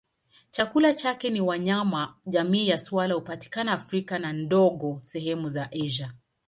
Chakula chake ni wanyama jamii ya swala hupatikana Afrika na kidogo sehemu za Asia.